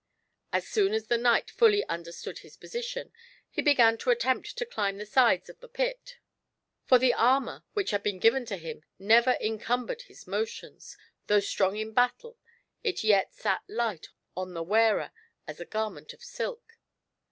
As soon as the knight fully understood his position, he began to attempt to climb the sides of the pit, for the armour which had been given to him never encumbered his motions — though strong in the battle, it yet sat light on the wearer as a garment of silk.